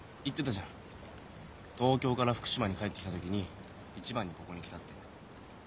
「東京から福島に帰ってきた時に一番にここに来た」って。